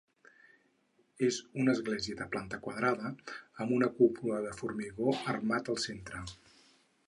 És una església de planta quadrada amb una cúpula de formigó armat al centre.